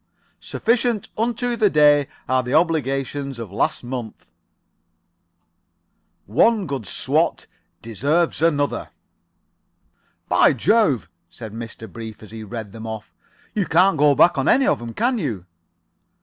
"Sufficient unto the day are the obligations of last month." "One good swat deserves another." "By Jove!" said Mr. Brief, as he read them off, "you can't go back on any of 'em, can you?"